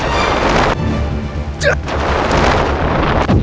jangan buang sampah di mana mana